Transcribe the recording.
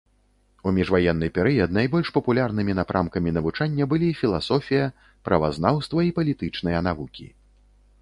У міжваенны перыяд найбольш папулярнымі напрамкамі навучання былі філасофія, правазнаўства і палітычныя навукі.